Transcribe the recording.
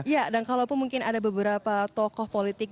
iya dan kalau pun mungkin ada beberapa tokoh politik